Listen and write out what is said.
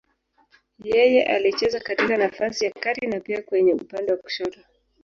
Yeye alicheza katika nafasi ya kati na pia kwenye upande wa kushoto.